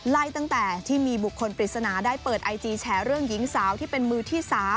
ไล่ตั้งแต่ที่มีบุคคลปริศนาได้เปิดไอจีแฉเรื่องหญิงสาวที่เป็นมือที่๓